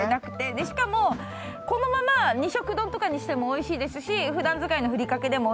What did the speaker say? しかもこのまま２色丼にしてもおいしいですし普段使いのふりかけでもおいしいですし。